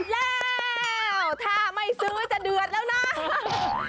แล้วถ้าไม่ซื้อจะเดือดแล้วนะ